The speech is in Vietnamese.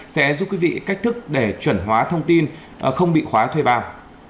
sẽ giúp quý vị cách thức để chuẩn hóa thông tin không bị khóa thuê bao